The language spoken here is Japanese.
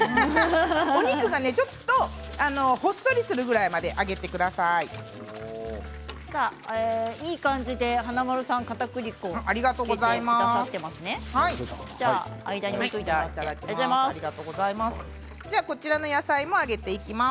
お肉が、ちょっとほっそりするくらいまでいい感じで華丸さんかたくり粉を振ってくださっています。